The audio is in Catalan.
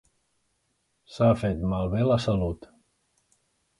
S'ha fet malbé la salut.